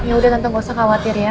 yaudah tante gak usah khawatir ya